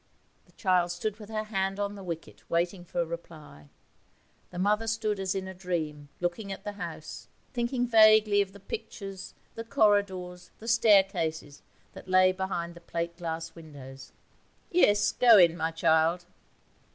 The child stood with her hand on the wicket, waiting for reply: the mother stood as in a dream, looking at the house, thinking vaguely of the pictures, the corridors, and staircases, that lay behind the plate glass windows. 'Yes; go in, my child.'